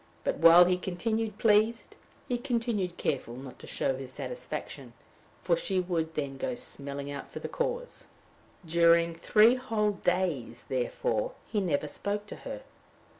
But, while he continued pleased, he continued careful not to show his satisfaction, for she would then go smelling about for the cause! During three whole days, therefore, he never spoke to her.